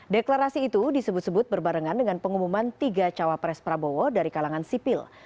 deklarasi itu disebut sebut berbarengan dengan pengumuman tiga cawapres prabowo dari kalangan sipil